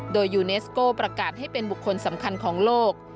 โดยยูเนสโก้ประกาศให้เป็นบุคคลสำคัญของโลก